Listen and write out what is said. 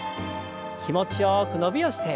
気持ちよく伸びをして。